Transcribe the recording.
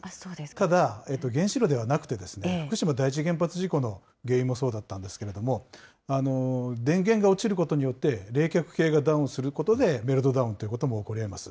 ただ、原子炉ではなくて、福島第一原発事故の原因もそうだったんですけれども、電源が落ちることによって、冷却系がダウンすることで、メルトダウンということも起こりえます。